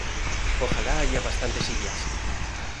Ojalá haya bastantes sillas.